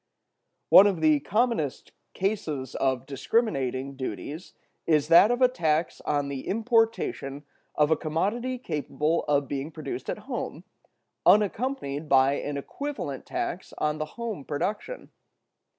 One of the commonest cases of discriminating duties is that of a tax on the importation of a commodity capable of being produced at home, unaccompanied by an equivalent tax on the home production.